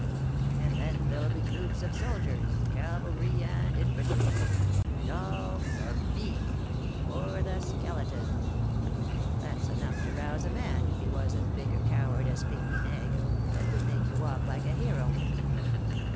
And then there'll be troops of soldiers, cavalry and infantry, and all for me, for the Skeleton! That's enough to rouse a man if he was as big a coward as Pique Vinaigre, that would make you walk like a hero.